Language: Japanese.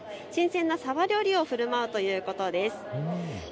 新鮮なさば料理をふるまうということです。